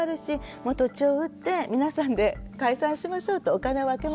もう土地を売って皆さんで解散しましょうとお金分けましょう。